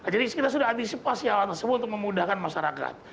jadi kita sudah antisipasi hal tersebut untuk memudahkan masyarakat